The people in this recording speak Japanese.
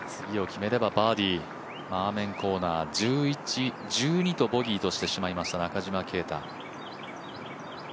次を決めればバーディーアーメンコーナー１１、１２とボギーとしてしまいました、中島啓太。